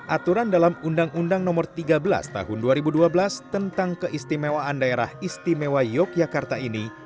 aturan dalam undang undang nomor tiga belas tahun dua ribu dua belas tentang keistimewaan daerah istimewa yogyakarta ini